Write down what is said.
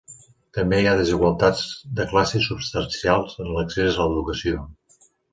També hi ha desigualtats de classe substancials en l'accés a l'educació.